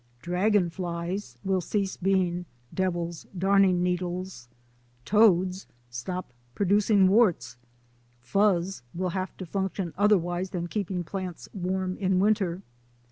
Dragon flies will have to cease being " Devil's darning needles/' toads stop producing warts, fuzz will have to func tion otherwise than keeping plants warm in winter.